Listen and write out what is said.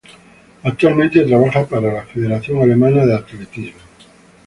Actualmente trabaja para la Federación Alemana de Atletismo.